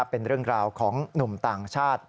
เป็นเรื่องราวของหนุ่มต่างชาติ